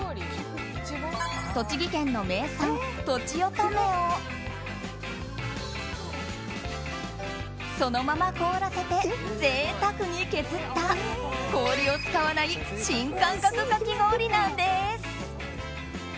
栃木県の名産、とちおとめをそのまま凍らせて贅沢に削った氷を使わない新感覚かき氷なんです。